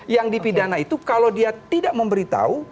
yang dipidana itu kalau dia tidak memberitahu